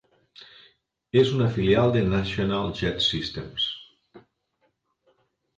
És una filial de National Jet Systems.